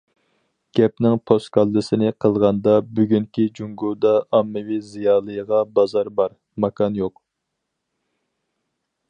گەپنىڭ پوسكاللىسىنى قىلغاندا، بۈگۈنكى جۇڭگودا ئاممىۋى زىيالىيغا بازار بار، ماكان يوق.